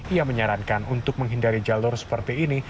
ia menyarankan untuk menghindari jalur seperti ini